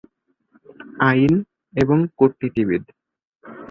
আইন, এবং কূটনীতিবিদ।